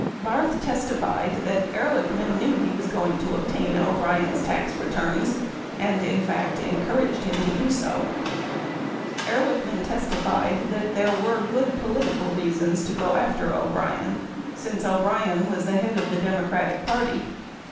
Barth testified that Ehrlichman knew he was going to obtain O'Brien's tax returns and, in fact, encouraged him to do so. 19 Ehrlichman testified that there were good political reasons to go after O'Brien since O'Brien was the head of the Democratic party.